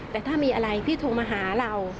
แต่ถ้ามีอะไรพี่โทรมาหาเรา